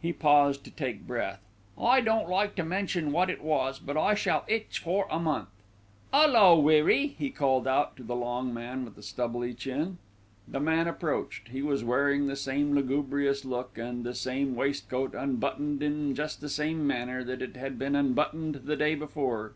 He paused to take breath. "I don't like to mention wot it was; but I shall itch for a month. 'Ullo Weary!" he called out to the long man with the stubbly chin. The man approached. He was wearing the same lugubrious look and the same waistcoat, unbuttoned in just the same manner that it had been unbuttoned the day before.